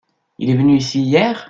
Il est venu ici hier ?